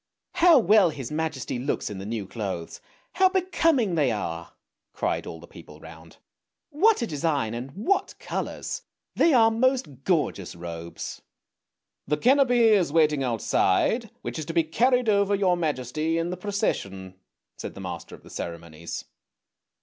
" How well his majesty looks in the new clothes! How becoming they are!" cried all the people round. "What a design, and what colours! They are most gorgeous robes! "" The canopy is waiting outside which is to be carried over 222 ANDERSEN'S FAIRY TALES your majesty in the procession," said the master of the ceremonies.